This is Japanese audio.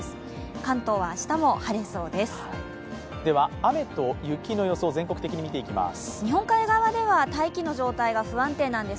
関東は明日も晴れそうです。